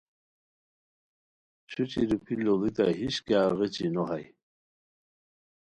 چھوچی روپھی لوڑتائے ہِش کیاغ غیچی نو ہائے